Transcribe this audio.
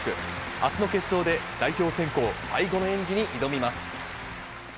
あすの決勝で代表選考最後の演技に挑みます。